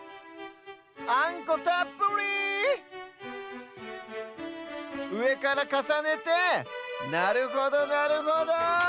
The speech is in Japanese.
あんこたっぷり！うえからかさねてなるほどなるほど。